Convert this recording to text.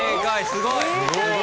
すごい！